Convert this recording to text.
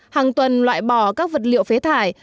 hàng tuần loại bỏ các vật liệu phế thải